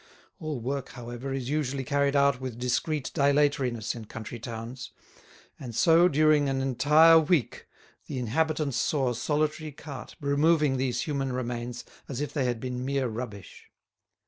All work, however, is usually carried out with discreet dilatoriness in country towns, and so during an entire week the inhabitants saw a solitary cart removing these human remains as if they had been mere rubbish.